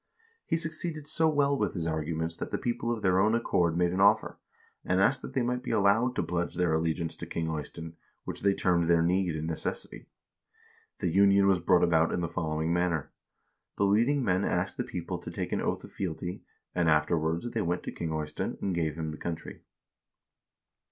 He succeeded so well with his arguments that the people of their own accord made an offer, and asked that they might be allowed to pledge their allegiance to King Eystein, which they termed their need and necessity. The union was brought about in the following manner : The leading men asked the people to take an oath of fealty, and afterwards they went to King Eystein and gave him the country."